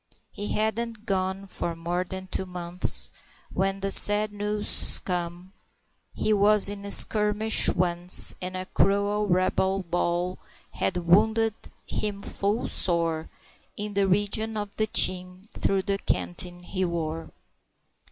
He hadn't gone for more than two months When the sad news come "he was in a skirmish once, And a cruel rebel ball had wounded him full sore In the region of the chin, through the canteen he wore."